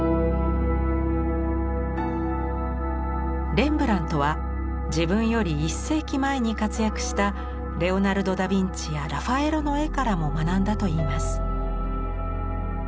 レンブラントは自分より１世紀前に活躍したレオナルド・ダ・ヴィンチやラファエロの絵からも学んだといいます。